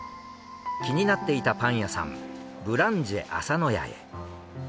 気になっていたパン屋さんブランジェ浅野屋へ。